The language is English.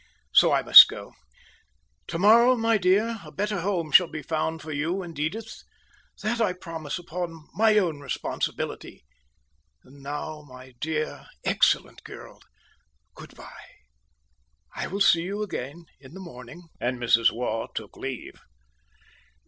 So I must go. To morrow, my dear, a better home shall be found for you and Edith. That I promise upon my own responsibility. And, now, my dear, excellent girl, good by. I will see you again in the morning." And Mrs. Waugh took leave.